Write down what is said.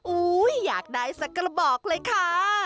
อยากได้สักกระบอกเลยค่ะ